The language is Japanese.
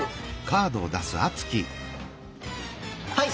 はい！